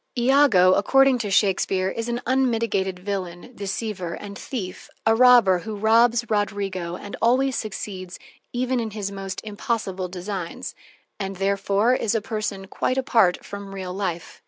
Iago, according to Shakespeare, is an unmitigated villain, deceiver, and thief, a robber who robs Roderigo and always succeeds even in his most impossible designs, and therefore is a person quite apart from real life.